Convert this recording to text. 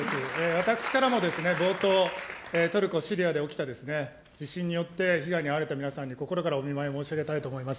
私からもですね、冒頭、トルコ、シリアで起きた地震によって被害に遭われた皆さんに心からお見舞いを申し上げたいと思います。